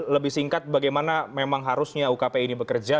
lebih singkat bagaimana memang harusnya ukp ini bekerja